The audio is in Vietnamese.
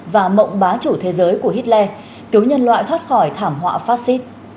và mộng bá chủ thế giới của hitler cứu nhân loại thoát khỏi thảm họa phát xít